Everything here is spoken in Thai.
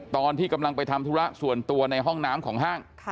ตอนที่กำลังไปทำธุระส่วนตัวในห้องน้ำของห้าง